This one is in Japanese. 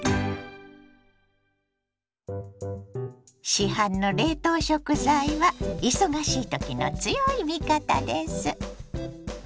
市販の冷凍食材は忙しいときの強い味方です。